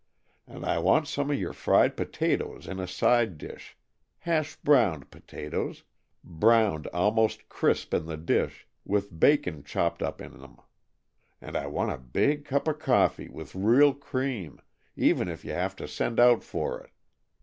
And I want some of your fried potatoes in a side dish hashed browned potatoes, browned almost crisp in the dish, with bacon chopped up in them. And I want a big cup of coffee with real cream, even if you have to send out for it.